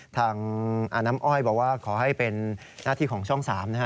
น้ำอ้อยบอกว่าขอให้เป็นหน้าที่ของช่อง๓นะฮะ